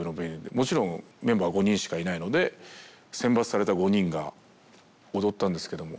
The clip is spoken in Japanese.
もちろんメンバー５人しかいないので選抜された５人が踊ったんですけども。